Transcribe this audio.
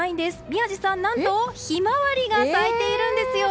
宮司さん、何とヒマワリが咲いているんですよ！